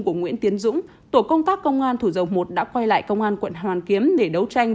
của nguyễn tiến dũng tổ công tác công an thủ dầu một đã quay lại công an quận hoàn kiếm để đấu tranh